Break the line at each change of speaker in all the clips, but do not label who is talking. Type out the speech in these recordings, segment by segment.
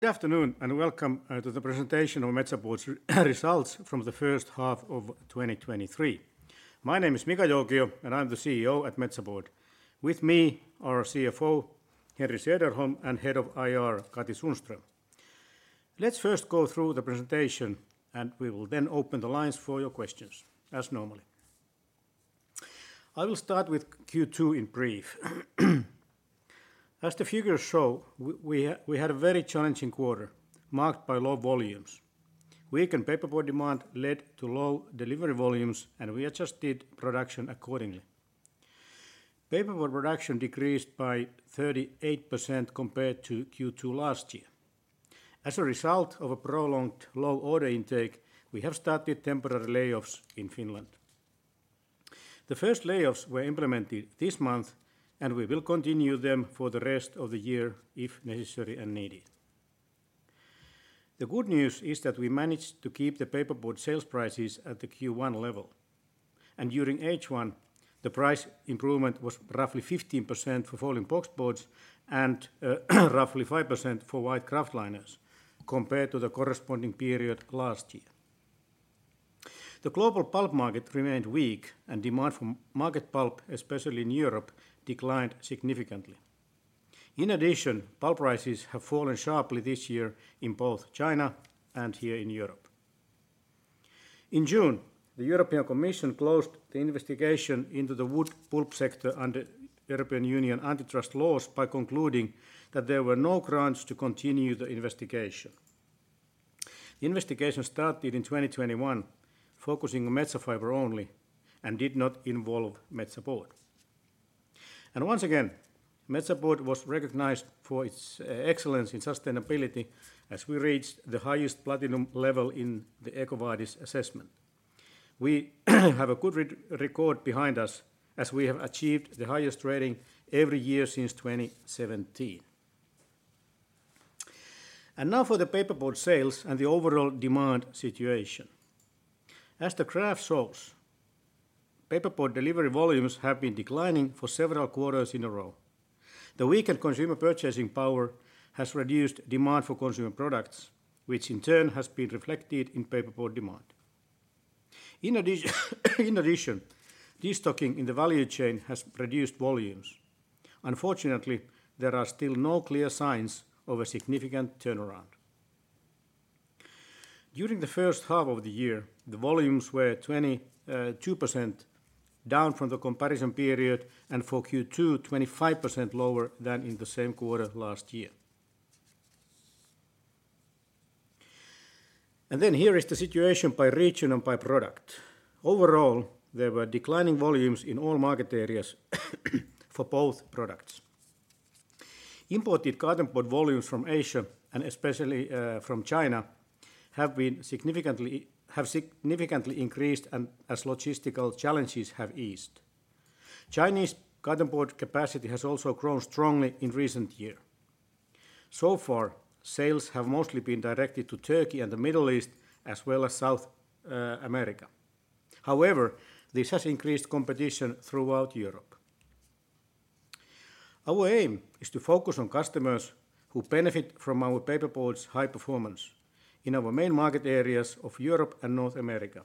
Good afternoon, and welcome to the presentation of Metsä Board's results from the first half of 2023. My name is Mika Joukio, and I'm the CEO at Metsä Board. With me are CFO, Henri Sederholm, and Head of IR, Katri Sundström. Let's first go through the presentation, and we will then open the lines for your questions, as normally. I will start with Q2 in brief. As the figures show, we had a very challenging quarter, marked by low volumes. Weakened paperboard demand led to low delivery volumes, and we adjusted production accordingly. Paperboard production decreased by 38% compared to Q2 last year. As a result of a prolonged low order intake, we have started temporary layoffs in Finland. The first layoffs were implemented this month, and we will continue them for the rest of the year if necessary and needed. The good news is that we managed to keep the paperboard sales prices at the Q1 level, and during H1, the price improvement was roughly 15% for folding box boards and roughly 5% for white kraftliners, compared to the corresponding period last year. The global pulp market remained weak, and demand for market pulp, especially in Europe, declined significantly. In addition, pulp prices have fallen sharply this year in both China and here in Europe. In June, the European Commission closed the investigation into the wood pulp sector under European Union antitrust laws by concluding that there were no grounds to continue the investigation. The investigation started in 2021, focusing on Metsä Fibre only, and did not involve Metsä Board. Once again, Metsä Board was recognized for its excellence in sustainability as we reached the highest platinum level in the EcoVadis assessment. We have a good record behind us, as we have achieved the highest rating every year since 2017. Now for the paperboard sales and the overall demand situation. As the graph shows, paperboard delivery volumes have been declining for several quarters in a row. The weakened consumer purchasing power has reduced demand for consumer products, which in turn has been reflected in paperboard demand. In addition, destocking in the value chain has reduced volumes. Unfortunately, there are still no clear signs of a significant turnaround. During the first half of the year, the volumes were 22% down from the comparison period, and for Q2, 25% lower than in the same quarter last year. Here is the situation by region and by product. Overall, there were declining volumes in all market areas for both products. Imported cartonboard volumes from Asia, especially from China, have significantly increased as logistical challenges have eased. Chinese cartonboard capacity has also grown strongly in recent year. Sales have mostly been directed to Turkey and the Middle East, as well as South America. This has increased competition throughout Europe. Our aim is to focus on customers who benefit from our paperboard's high performance in our main market areas of Europe and North America.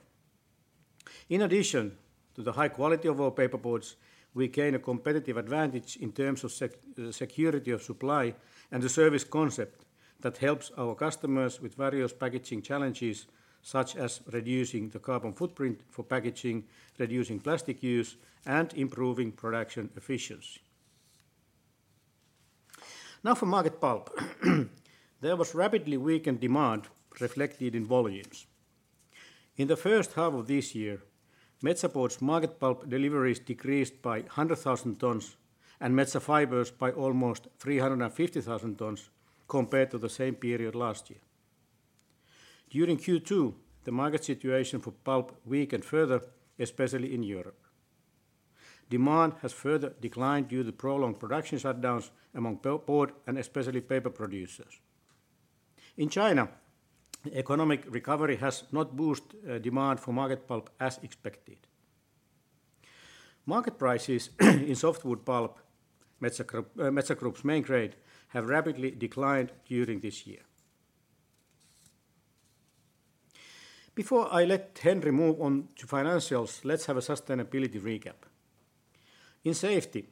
In addition to the high quality of our paperboards, we gain a competitive advantage in terms of the security of supply and the service concept that helps our customers with various packaging challenges, such as reducing the carbon footprint for packaging, reducing plastic use, and improving production efficiency. For market pulp. There was rapidly weakened demand reflected in volumes. In the first half of this year, Metsä Board's market pulp deliveries decreased by 100,000 tons and Metsä Fibre's by almost 350,000 tons compared to the same period last year. During Q2, the market situation for pulp weakened further, especially in Europe. Demand has further declined due to prolonged production shutdowns among board and especially paper producers. In China, economic recovery has not boosted demand for market pulp as expected. Market prices in softwood pulp, Metsä Group's main grade, have rapidly declined during this year. Before I let Henri move on to financials, let's have a sustainability recap. In safety,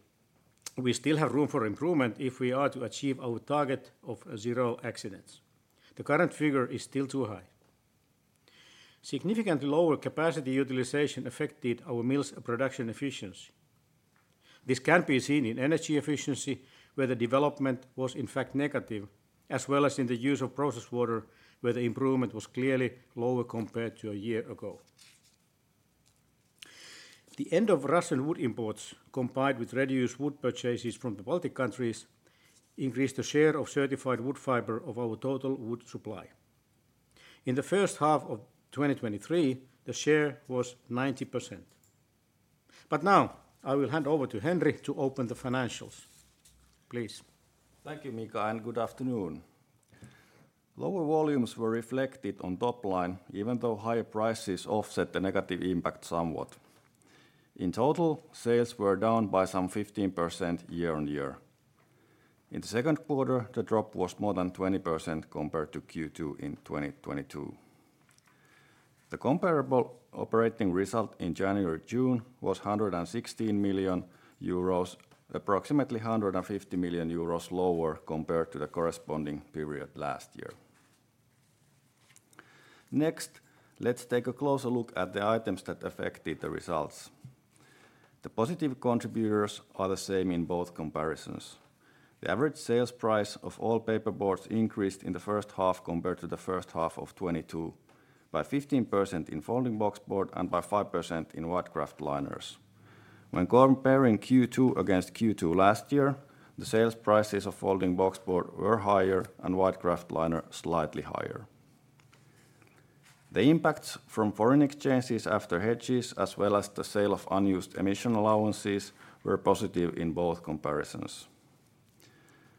we still have room for improvement if we are to achieve our target of zero accidents. The current figure is still too high. Significantly lower capacity utilization affected our mills' production efficiency. This can be seen in energy efficiency, where the development was in fact negative, as well as in the use of process water, where the improvement was clearly lower compared to a year ago. The end of Russian wood imports, combined with reduced wood purchases from the Baltic countries, increased the share of certified wood fiber of our total wood supply. In the first half of 2023, the share was 90%. Now, I will hand over to Henri to open the financials. Please.
Thank you, Mika, and good afternoon. Lower volumes were reflected on top line, even though higher prices offset the negative impact somewhat. In total, sales were down by some 15% year-on-year. In the second quarter, the drop was more than 20% compared to Q2 in 2022. The comparable operating result in January-June was 116 million euros, approximately 150 million euros lower compared to the corresponding period last year. Next, let's take a closer look at the items that affected the results. The positive contributors are the same in both comparisons. The average sales price of all paperboards increased in the first half compared to the first half of 2022, by 15% in folding boxboard and by 5% in white kraftliners. When comparing Q2 against Q2 last year, the sales prices of folding boxboard were higher and white kraftliner slightly higher. The impacts from foreign exchanges after hedges, as well as the sale of unused emission allowances, were positive in both comparisons.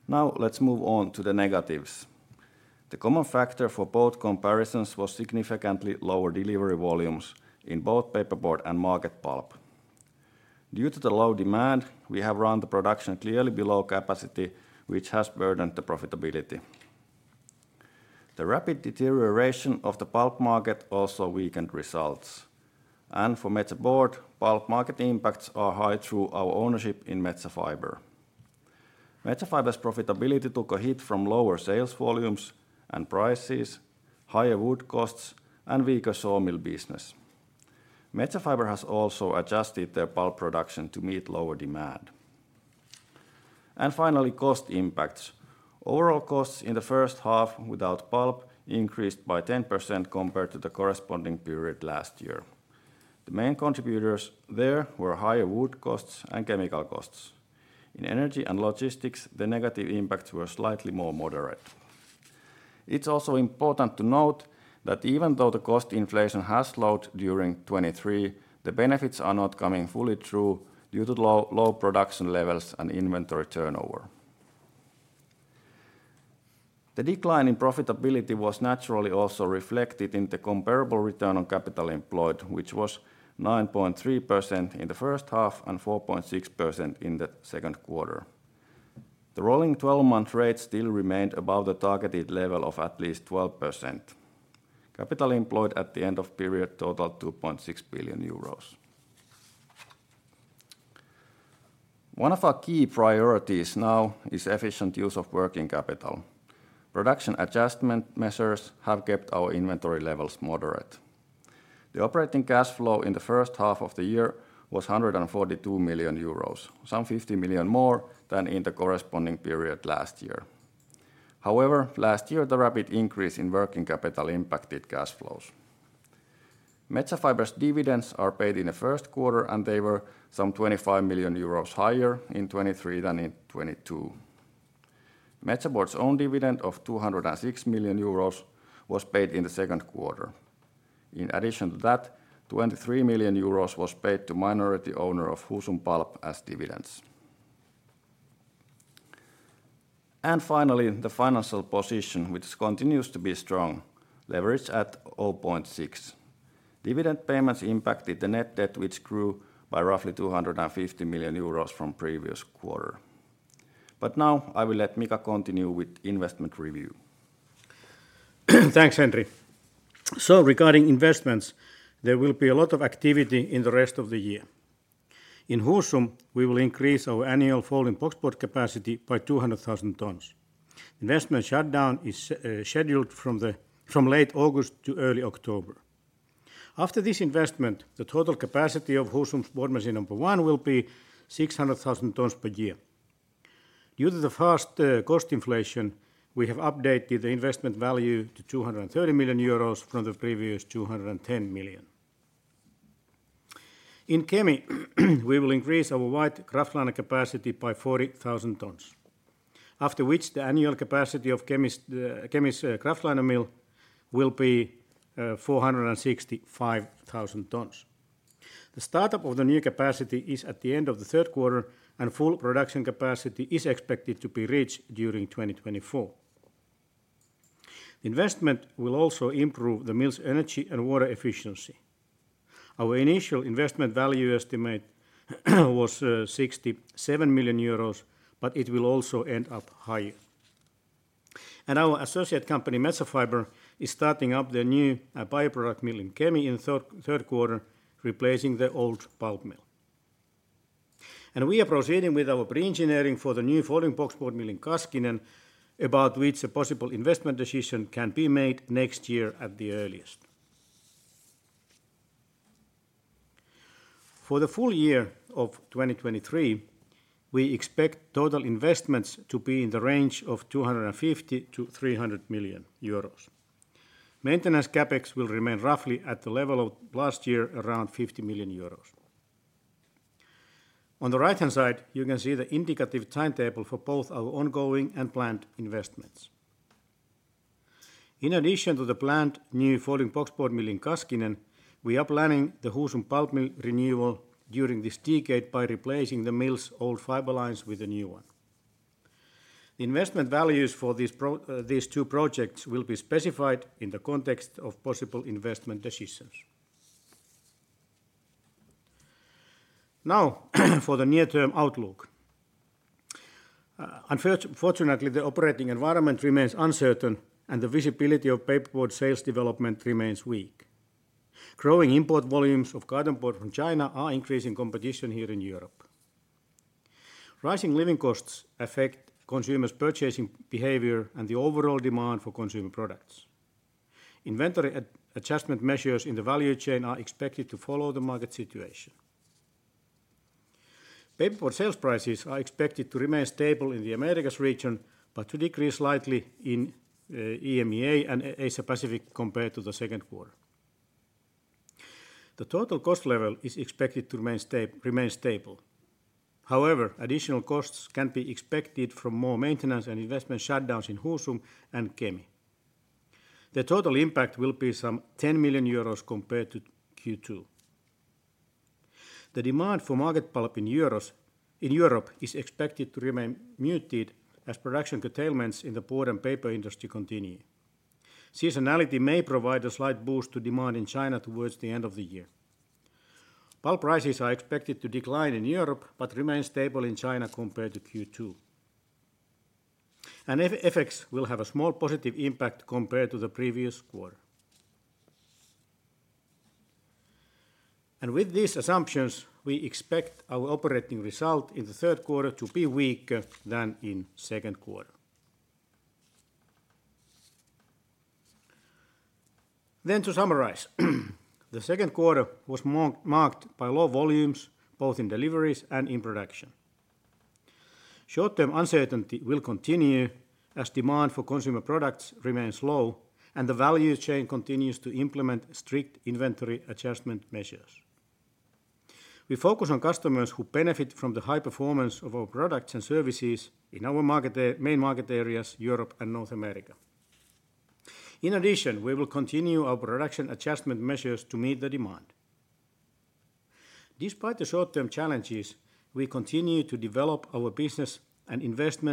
Now, let's move on to the negatives. The common factor for both comparisons was significantly lower delivery volumes in both paperboard and market pulp. Due to the low demand, we have run the production clearly below capacity, which has burdened the profitability. The rapid deterioration of the pulp market also weakened results. For Metsä Board, pulp market impacts are high through our ownership in Metsä Fibre. Metsä Fibre's profitability took a hit from lower sales volumes and prices, higher wood costs, and weaker sawmill business. Metsä Fibre has also adjusted their pulp production to meet lower demand. Finally, cost impacts. Overall costs in the first half without pulp increased by 10% compared to the corresponding period last year. The main contributors there were higher wood costs and chemical costs. In energy and logistics, the negative impacts were slightly more moderate. It's also important to note that even though the cost inflation has slowed during 2023, the benefits are not coming fully through due to low production levels and inventory turnover. The decline in profitability was naturally also reflected in the comparable return on capital employed, which was 9.3% in the first half and 4.6% in the second quarter. The rolling 12-month rate still remained above the targeted level of at least 12%. Capital employed at the end of period totaled 2.6 billion euros. One of our key priorities now is efficient use of working capital. Production adjustment measures have kept our inventory levels moderate. The operating cash flow in the first half of the year was 142 million euros, some 50 million more than in the corresponding period last year. However, last year, the rapid increase in working capital impacted cash flows. Metsä Fibre's dividends are paid in the first quarter, and they were some 25 million euros higher in 2023 than in 2022. Metsä Board's own dividend of 206 million euros was paid in the second quarter. In addition to that, 23 million euros was paid to minority owner of Husum pulp as dividends. Finally, the financial position, which continues to be strong, leverage at 0.6. Dividend payments impacted the net debt, which grew by roughly 250 million euros from previous quarter. I will let Mika continue with investment review.
Thanks, Henri. Regarding investments, there will be a lot of activity in the rest of the year. In Husum, we will increase our annual folding boxboard capacity by 200,000 tons. Investment shutdown is scheduled from late August to early October. After this investment, the total capacity of Husum's board machine number one will be 600,000 tons per year. Due to the fast cost inflation, we have updated the investment value to 230 million euros from the previous 210 million. In Kemi, we will increase our white kraftliner capacity by 40,000 tons, after which the annual capacity of Kemi's kraftliner mill will be 465,000 tons. The startup of the new capacity is at the end of the third quarter, and full production capacity is expected to be reached during 2024. Investment will also improve the mill's energy and water efficiency. Our initial investment value estimate was 67 million euros, but it will also end up higher. Our associate company, Metsä Fibre, is starting up their new bioproduct mill in Kemi in third quarter, replacing the old pulp mill. We are proceeding with our pre-engineering for the new folding boxboard mill in Kaskinen, about which a possible investment decision can be made next year at the earliest. For the full year of 2023, we expect total investments to be in the range of 250 million-300 million euros. Maintenance CapEx will remain roughly at the level of last year, around 50 million euros. On the right-hand side, you can see the indicative timetable for both our ongoing and planned investments. In addition to the planned new folding boxboard mill in Kaskinen, we are planning the Husum pulp mill renewal during this decade by replacing the mill's old fiber lines with a new one. The investment values for these two projects will be specified in the context of possible investment decisions. Now, for the near-term outlook. Fortunately, the operating environment remains uncertain, and the visibility of paperboard sales development remains weak. Growing import volumes of cartonboard from China are increasing competition here in Europe. Rising living costs affect consumers' purchasing behavior and the overall demand for consumer products. Inventory adjustment measures in the value chain are expected to follow the market situation. Paperboard sales prices are expected to remain stable in the Americas region, but to decrease slightly in EMEA and Asia Pacific compared to the second quarter. The total cost level is expected to remain stable. However, additional costs can be expected from more maintenance and investment shutdowns in Husum and Kemi. The total impact will be some 10 million euros compared to Q2. The demand for market pulp in Europe is expected to remain muted as production curtailments in the board and paper industry continue. Seasonality may provide a slight boost to demand in China towards the end of the year. Pulp prices are expected to decline in Europe, but remain stable in China compared to Q2. FX will have a small positive impact compared to the previous quarter. With these assumptions, we expect our operating result in the third quarter to be weaker than in second quarter. To summarize, the second quarter was marked by low volumes, both in deliveries and in production. Short-term uncertainty will continue as demand for consumer products remains low, and the value chain continues to implement strict inventory adjustment measures. We focus on customers who benefit from the high performance of our products and services in our market, main market areas, Europe and North America. In addition, we will continue our production adjustment measures to meet the demand. Despite the short-term challenges, we continue to develop our business and invest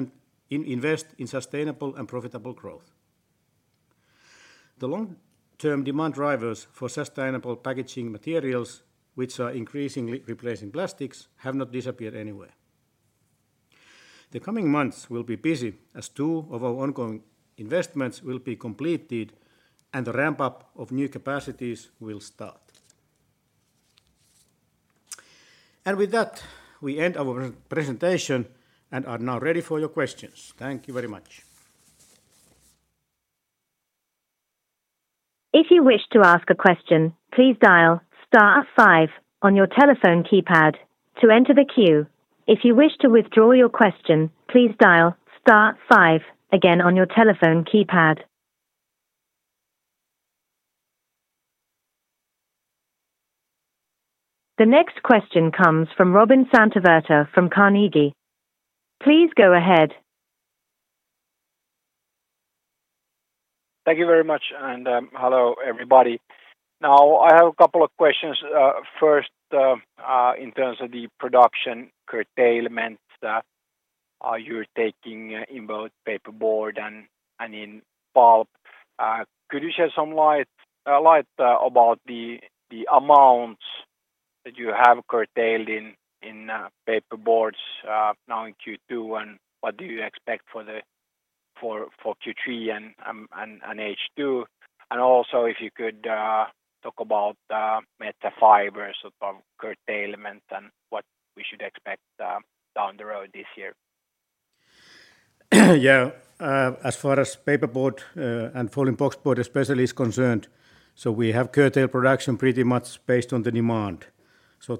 in sustainable and profitable growth. The long-term demand drivers for sustainable packaging materials, which are increasingly replacing plastics, have not disappeared anywhere. The coming months will be busy as two of our ongoing investments will be completed, and the ramp-up of new capacities will start. With that, we end our presentation and are now ready for your questions. Thank you very much.
If you wish to ask a question, please dial star five on your telephone keypad to enter the queue. If you wish to withdraw your question, please dial star five again on your telephone keypad. The next question comes from Robin Santavirta from Carnegie. Please go ahead.
Thank you very much. Hello, everybody. I have a couple of questions. First, in terms of the production curtailment, are you taking in both paperboard and in pulp? Could you shed some light about the amounts that you have curtailed in paperboards now in Q2, and what do you expect for Q3 and H2? Also, if you could talk about Metsä Fibre's sort of curtailment and what we should expect down the road this year.
Yeah. As far as paperboard and folding boxboard especially is concerned, so we have curtailed production pretty much based on the demand.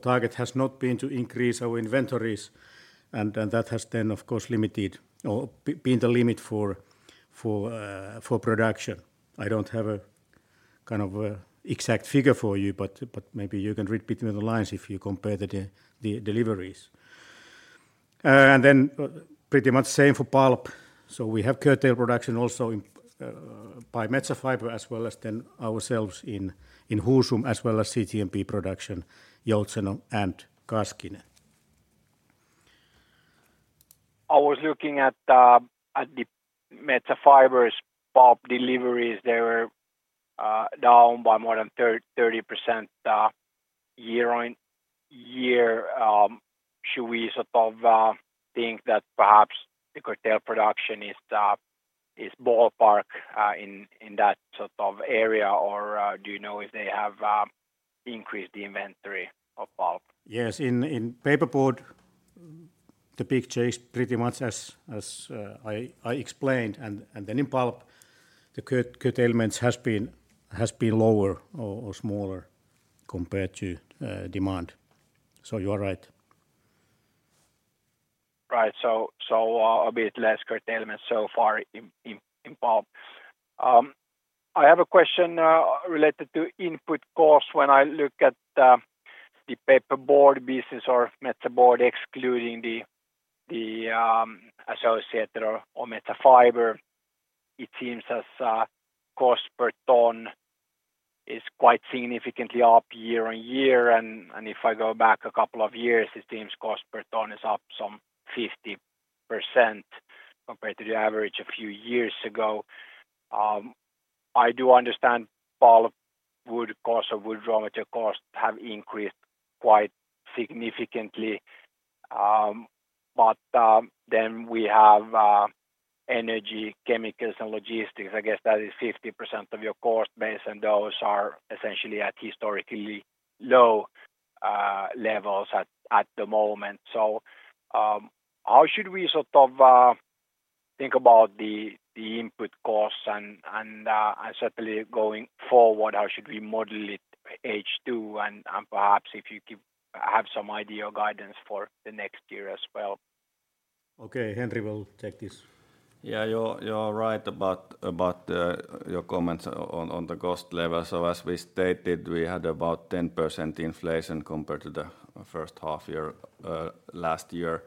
Target has not been to increase our inventories, and then that has then, of course, been the limit for production. I don't have a kind of a exact figure for you, but maybe you can read between the lines if you compare the deliveries. Pretty much same for pulp. We have curtailed production also by Metsä Fibre, as well as then ourselves in Husum, as well as BCTMP production, Joutseno and Kaskinen.
I was looking at the Metsä Fibre's pulp deliveries. They were down by more than 30% year-on-year. Should we sort of think that perhaps the curtail production is ballpark in that sort of area? Do you know if they have increased the inventory of pulp?
Yes. In paperboard, the picture is pretty much as I explained, and then in pulp, the curtailments has been lower or smaller compared to demand. You are right.
Right. A bit less curtailment so far in pulp. I have a question related to input costs. When I look at the paperboard business or Metsä Board, excluding the associated or Metsä Fibre, it seems as cost per ton is quite significantly up year-on-year, and if I go back a couple of years, it seems cost per ton is up some 50% compared to the average a few years ago. I do understand pulpwood cost or wood raw material costs have increased quite significantly. Then we have energy, chemicals, and logistics. I guess that is 50% of your cost base, and those are essentially at historically low levels at the moment. How should we sort of think about the input costs and certainly going forward, how should we model it H2? Perhaps if you have some idea or guidance for the next year as well.
Okay, Henri will take this.
Yeah, you're right about your comments on the cost level. As we stated, we had about 10% inflation compared to the first half year last year.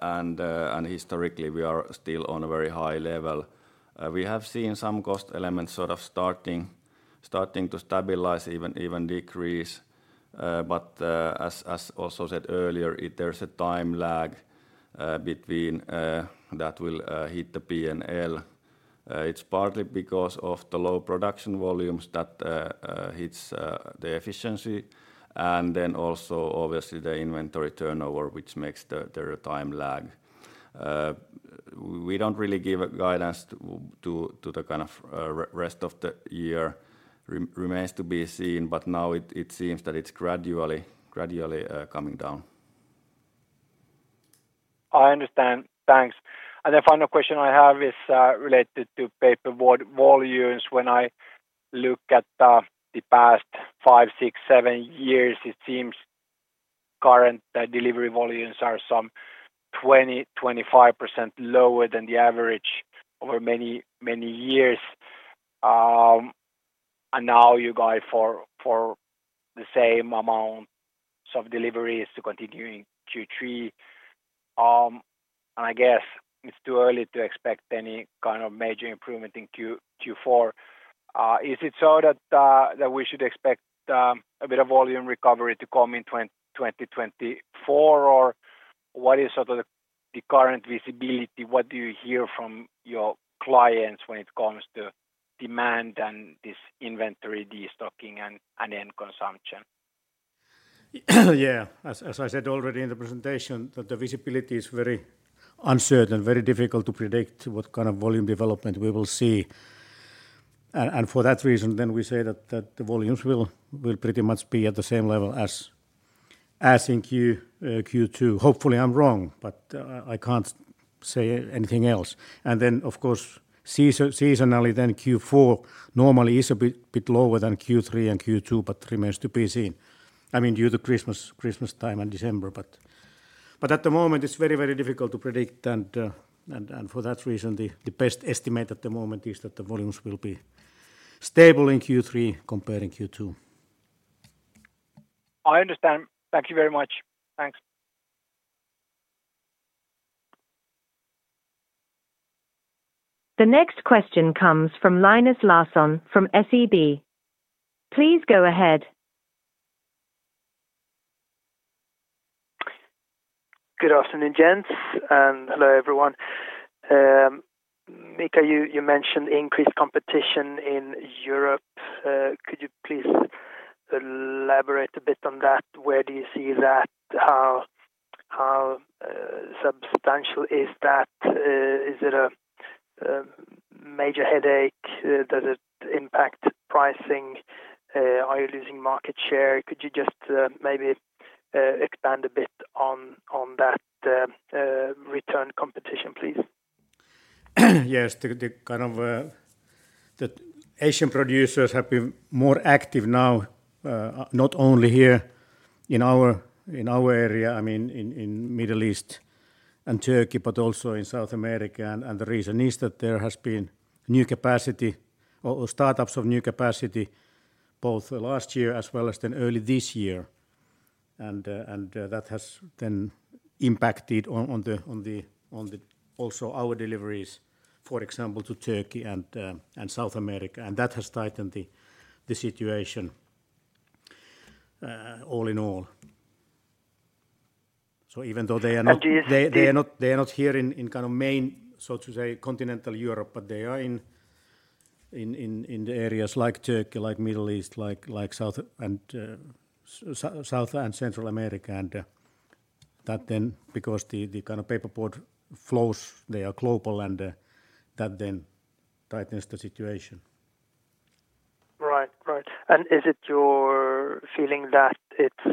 And historically, we are still on a very high level. We have seen some cost elements sort of starting to stabilize, even decrease. But as also said earlier, there's a time lag between that will hit the P&L. It's partly because of the low production volumes that hits the efficiency, and then also obviously the inventory turnover, which makes the time lag. We don't really give a guidance to the kind of rest of the year. Remains to be seen, but now it seems that it's gradually coming down.
I understand. Thanks. The final question I have is related to paperboard volumes. When I look at the past five, six, seven years, it seems current delivery volumes are some 20%-25% lower than the average over many years. Now you guide for the same amount of deliveries to continuing Q3. I guess it's too early to expect any kind of major improvement in Q4. Is it so that we should expect a bit of volume recovery to come in 2024? Or what is sort of the current visibility? What do you hear from your clients when it comes to demand and this inventory, destocking, and end consumption?
As I said already in the presentation, that the visibility is very uncertain, very difficult to predict what kind of volume development we will see. For that reason, then we say that the volumes will pretty much be at the same level as in Q2. Hopefully, I'm wrong, but I can't say anything else. Then, of course, seasonally then Q4 normally is a bit lower than Q3 and Q2, but remains to be seen. I mean, due to Christmas time in December. At the moment, it's very difficult to predict, and for that reason, the best estimate at the moment is that the volumes will be stable in Q3 comparing Q2.
I understand. Thank you very much. Thanks.
The next question comes from Linus Larsson from SEB. Please go ahead.
Good afternoon, gents, and hello, everyone. Mika, you mentioned increased competition in Europe. Could you please elaborate a bit on that? Where do you see that? How substantial is that? Is it a major headache? Does it impact pricing? Are you losing market share? Could you just maybe expand a bit on that return competition, please?
Yes, the kind of, the Asian producers have been more active now, not only here in our area, I mean in Middle East and Turkey, but also in South America. The reason is that there has been new capacity or startups of new capacity, both last year as well as then early this year. That has then impacted on. Also, our deliveries, for example, to Turkey and South America, and that has tightened the situation all in all. Even though they are-
And this-...
they are not here in kind of main, so to say, continental Europe, but they are in the areas like Turkey, like Middle East, like South and Central America. That then because the kind of paperboard flows, they are global, and that then tightens the situation.
Right. Is it your feeling that it's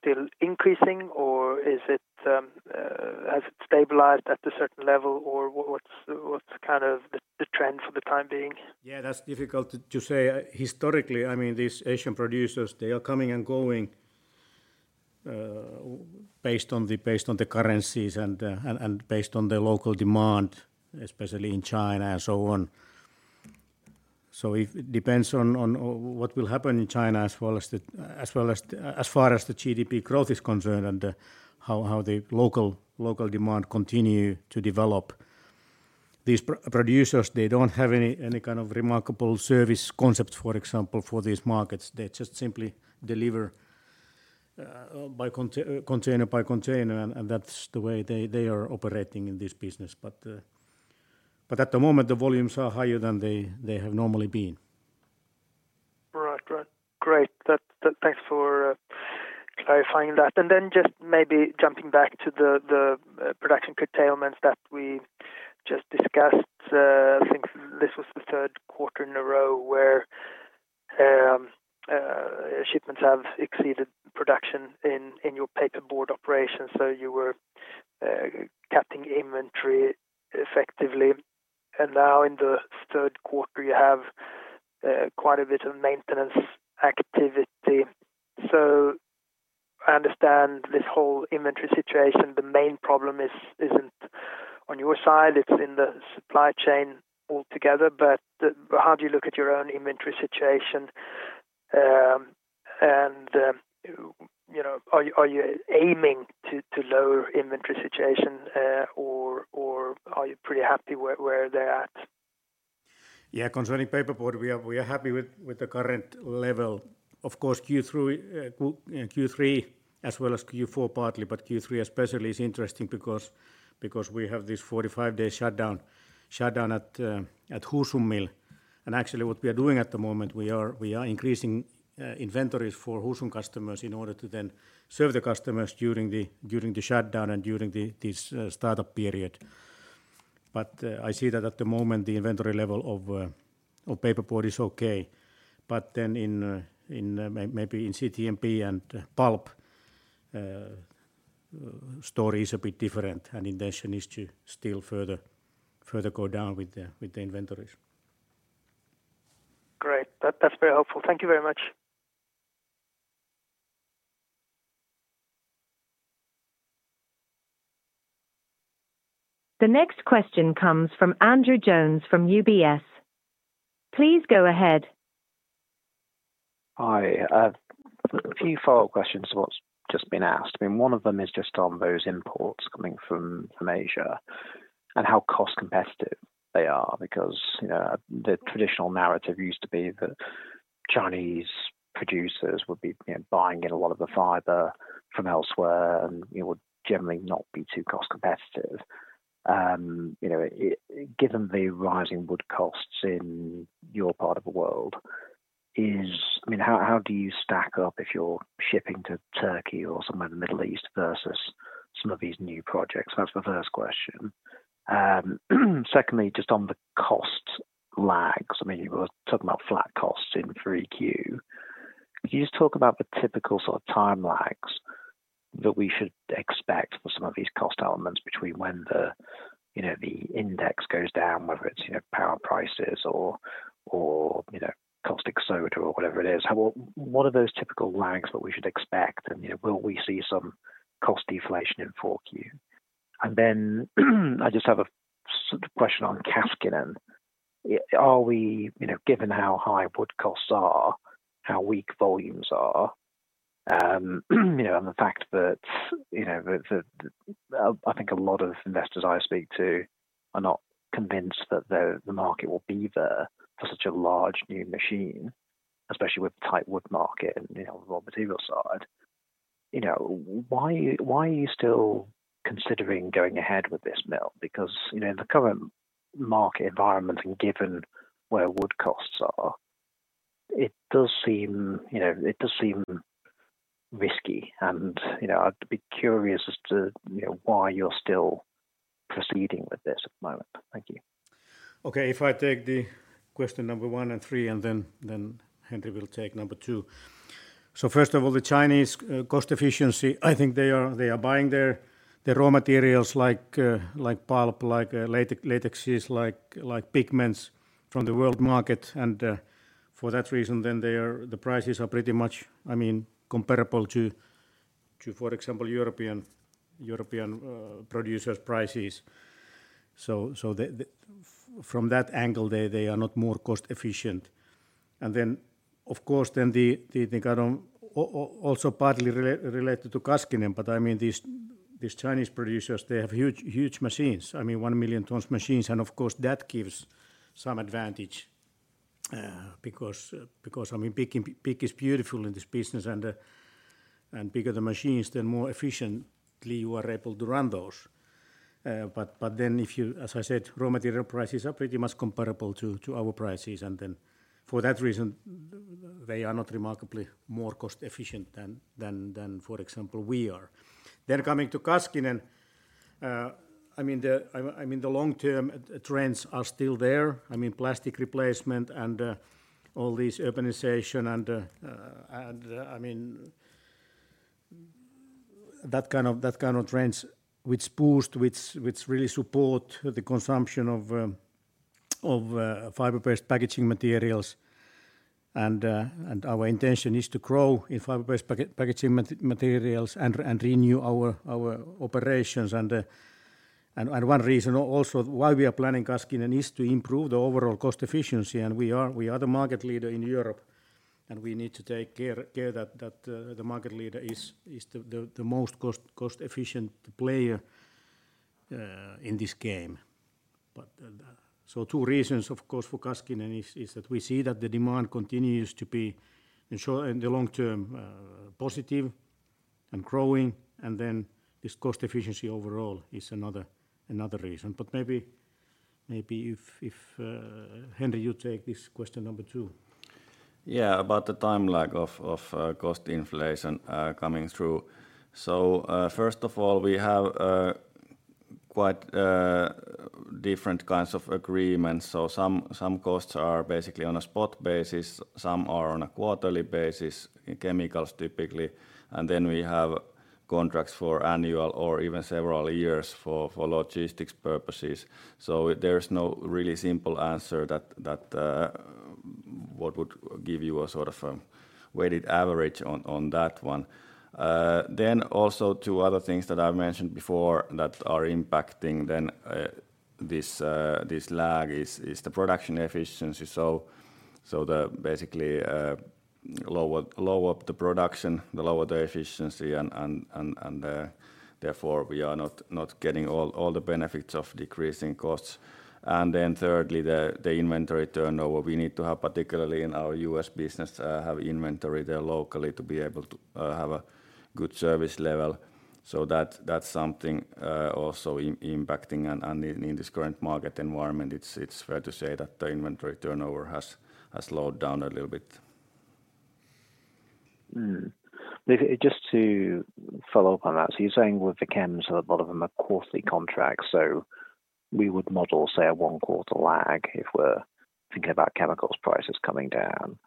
still increasing, or is it has it stabilized at a certain level, or what's kind of the trend for the time being?
Yeah, that's difficult to say. Historically, I mean, these Asian producers, they are coming and going, based on the currencies and based on the local demand, especially in China and so on. It depends on what will happen in China as well as far as the GDP growth is concerned and, how the local demand continue to develop. These producers, they don't have any kind of remarkable service concepts, for example, for these markets. They just simply deliver by container by container, and that's the way they are operating in this business. At the moment, the volumes are higher than they have normally been.
Right. Right. Great. That thanks for clarifying that. Then just maybe jumping back to the production curtailments that we just discussed. I think this was the third quarter in a row where shipments have exceeded production in your paperboard operations, so you were cutting inventory effectively. Now in the third quarter, you have quite a bit of maintenance activity. I understand this whole inventory situation, the main problem isn't on your side, it's in the supply chain altogether. How do you look at your own inventory situation, you know, are you aiming to lower inventory situation, or are you pretty happy where they're at?
Yeah, concerning paperboard, we are happy with the current level. Of course, Q3 as well as Q4 partly, but Q3 especially is interesting because we have this 45-day shutdown at Husum mill. Actually, what we are doing at the moment, we are increasing inventory for Husum customers in order to then serve the customers during the shutdown and during the, this startup period. I see that at the moment, the inventory level of paperboard is okay. In, in maybe in BCTMP and pulp, story is a bit different, intention is to still further go down with the inventories.
Great. That's very helpful. Thank you very much.
The next question comes from Andrew Jones from UBS. Please go ahead.
Hi, a few follow-up questions to what's just been asked. I mean, one of them is just on those imports coming from Asia and how cost-competitive they are, because, you know, the traditional narrative used to be that Chinese producers would be, you know, buying in a lot of the fiber from elsewhere, and it would generally not be too cost-competitive. You know, given the rising wood costs in your part of the world, I mean, how do you stack up if you're shipping to Turkey or somewhere in the Middle East versus some of these new projects? That's my first question. Secondly, just on the cost lags, I mean, you were talking about flat costs in 3Q. Could you just talk about the typical sort of time lags that we should expect for some of these cost elements between when the, you know, the index goes down, whether it's, you know, power prices or, you know, caustic soda or whatever it is? What are those typical lags that we should expect, and, you know, will we see some cost deflation in 4Q? I just have a sort of question on Kaskinen. You know, given how high wood costs are, how weak volumes are, you know, and the fact that, you know, that, I think a lot of investors I speak to are not convinced that the market will be there for such a large, new machine, especially with tight wood market and, you know, raw material side. You know, why are you still considering going ahead with this mill? You know, in the current market environment and given where wood costs are, it does seem, you know, it does seem risky, and, you know, I'd be curious as to, you know, why you're still proceeding with this at the moment. Thank you.
Okay, if I take the question number one and three, and then Henri will take number two. First of all, the Chinese cost-efficiency, I think they are buying their, the raw materials like pulp, like latex, latexes, like pigments from the world market. For that reason, then the prices are pretty much, I mean, comparable to, for example, European producers' prices. From that angle, they are not more cost-efficient. Then, of course, then the kind of, also partly related to Kaskinen, but I mean, these Chinese producers, they have huge machines. I mean, 1 million tons machines. Of course, that gives some advantage because, I mean, big is beautiful in this business, and bigger the machines, the more efficiently you are able to run those. As I said, raw material prices are pretty much comparable to our prices, and for that reason, they are not remarkably more cost-efficient than, for example, we are. Coming to Kaskinen, I mean, the long-term trends are still there. I mean, plastic replacement and all these urbanization and, I mean, that kind of trends, which boost, which really support the consumption of fiber-based packaging materials. Our intention is to grow in fiber-based packaging materials and renew our operations. One reason also why we are planning Kaskinen is to improve the overall cost-efficiency, and we are the market leader in Europe, and we need to take care that the market leader is the most cost-efficient player in this game. Two reasons, of course, for Kaskinen is that we see that the demand continues to be ensure in the long term positive and growing, and then this cost-efficiency overall is another reason. Maybe if Henri, you take this question number two.
Yeah, about the time lag of cost inflation coming through. First of all, we have quite different kinds of agreements. Some costs are basically on a spot basis, some are on a quarterly basis, in chemicals typically, and then we have contracts for annual or even several years for logistics purposes. There is no really simple answer that what would give you a sort of weighted average on that one. Also two other things that I've mentioned before that are impacting then this lag is the production efficiency. The basically, lower the production, the lower the efficiency, and therefore, we are not getting all the benefits of decreasing costs. Then thirdly, the inventory turnover. We need to have, particularly in our U.S. business, have inventory there locally to be able to have a good service level. That's something also impacting on in this current market environment, it's fair to say that the inventory turnover has slowed down a little bit.
Just to follow up on that. You're saying with the chems, a lot of them are quarterly contracts, so we would model, say, a one-quarter lag if we're thinking about chemicals prices coming down.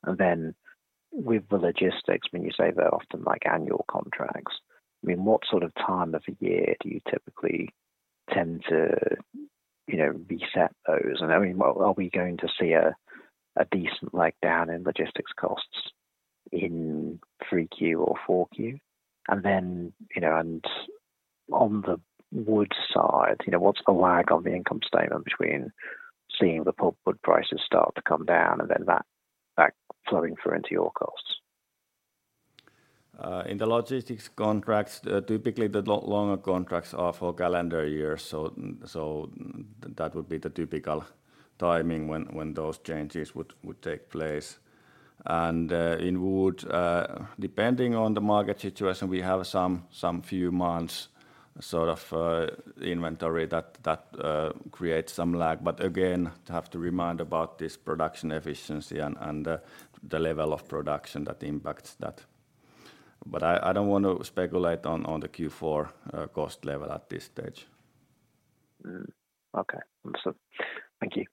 With the logistics, when you say they're often like annual contracts, I mean, what sort of time of the year do you typically tend to, you know, reset those? I mean, are we going to see a decent, like, down in logistics costs in 3Q or 4Q? You know, on the pulpwood side, you know, what's the lag on the income statement between seeing the pulpwood prices start to come down and then that flowing through into your costs?
In the logistics contracts, typically the longer contracts are for calendar years, so that would be the typical timing when those changes would take place. In wood, depending on the market situation, we have some few months, sort of, inventory that creates some lag. Again, to have to remind about this production efficiency and the level of production that impacts that. I don't want to speculate on the Q4 cost level at this stage.
Okay. Awesome. Thank you.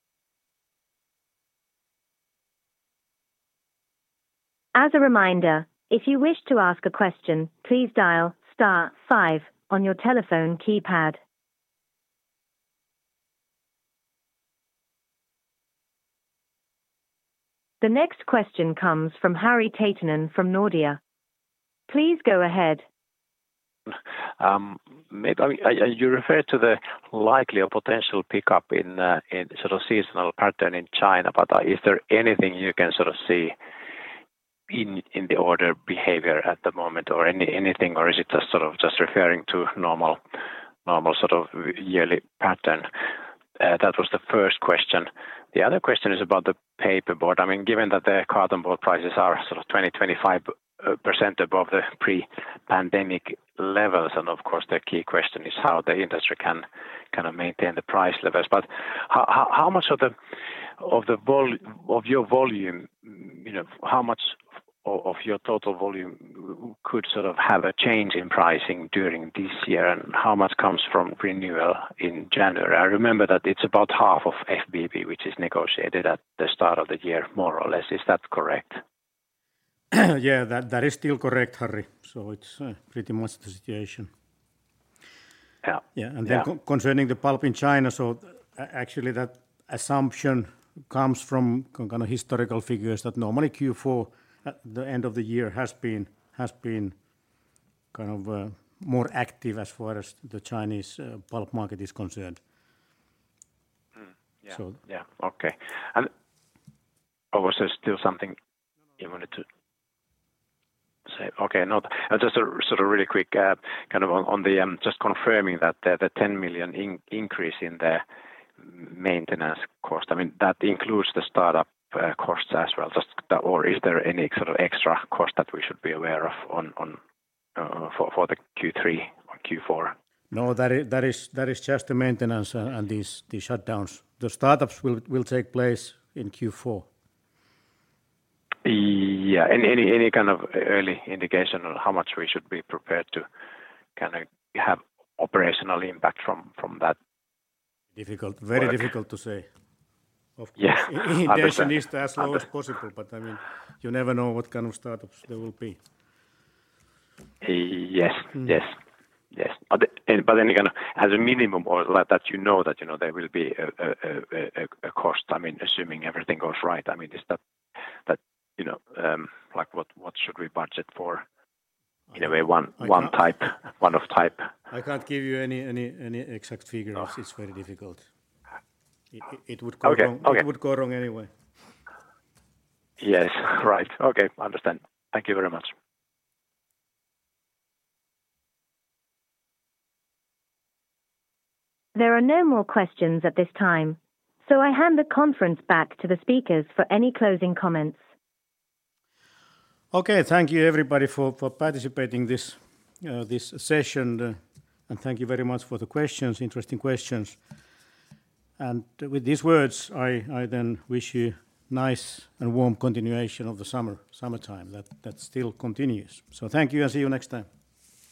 As a reminder, if you wish to ask a question, please dial star five on your telephone keypad. The next question comes from Harri Tiitinen from Nordea. Please go ahead.
You refer to the likely or potential pickup in sort of seasonal pattern in China, is there anything you can sort of see in the order behavior at the moment or anything, or is it just sort of just referring to normal yearly pattern? That was the first question. The other question is about the paperboard. I mean, given that the cartonboard prices are sort of 20%-25% above the pre-pandemic levels, of course, the key question is how the industry can kind of maintain the price levels. How much of your volume, you know, how much of your total volume could sort of have a change in pricing during this year? How much comes from renewal in January? I remember that it's about half of FBB, which is negotiated at the start of the year, more or less. Is that correct?
Yeah, that is still correct, Harri. It's pretty much the situation.
Yeah.
Yeah.
Yeah.
Concerning the pulp in China, actually, that assumption comes from kind of historical figures that normally Q4, at the end of the year, has been kind of more active as far as the Chinese pulp market is concerned.
Mm.
So.
Yeah. Okay. Or was there still something you wanted to say? Okay. Just a sort of really quick, kind of on the, just confirming that the 10 million increase in the maintenance cost, I mean, that includes the startup costs as well. Just, or is there any sort of extra cost that we should be aware of on for the Q3 or Q4?
No, that is just the maintenance and these shutdowns. The startups will take place in Q4.
Yeah. Any kind of early indication on how much we should be prepared to kind of have operational impact from that?
Difficult-
Okay.
Very difficult to say.
Yeah. I understand.
Indication is to as low as possible, but, I mean, you never know what kind of startups there will be.
Yes, yes.
Mm.
Yes. Again, as a minimum or that you know that, you know, there will be a cost, I mean, assuming everything goes right, I mean, is that, you know, like, what should we budget for? In a way-
I can't-...
one type, one of type.
I can't give you any exact figures.
Oh.
It's very difficult.
Okay.
It would go wrong anyway.
Yes, right. Okay, understand. Thank you very much.
There are no more questions at this time. I hand the conference back to the speakers for any closing comments.
Okay. Thank you, everybody, for participating this session, thank you very much for the questions, interesting questions. With these words, I then wish you nice and warm continuation of the summer, summertime that still continues. Thank you, and see you next time.